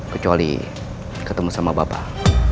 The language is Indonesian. kecuali ketemu sama bapak